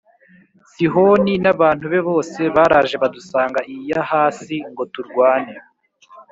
sihoni n’abantu be bose baraje badusanga i yahasi+ ngo turwane,